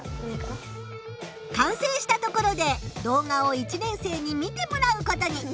完成したところで動画を１年生に見てもらうことに。